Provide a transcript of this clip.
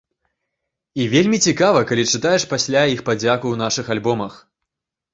І вельмі цікава, калі чытаеш пасля іх падзяку ў нашых альбомах.